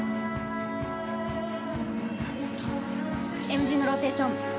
ＭＧのローテーション。